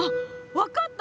分かった！